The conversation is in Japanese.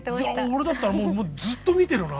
俺だったらもうずっと見てるな。